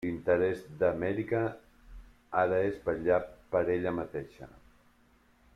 L'interès d'Amèrica ara és vetllar per ella mateixa.